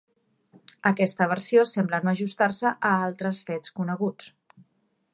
Aquesta versió sembla no ajustar-se a altres fets coneguts.